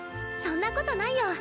そんなことないよ。